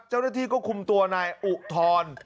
เจ้าหน้าที่คุมตัวในอุทร